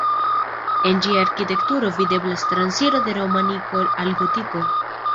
En ĝia arkitekturo videblas transiro de romaniko al gotiko.